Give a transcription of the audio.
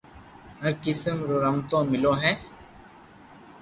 هر قسم رو رمتون ملو هي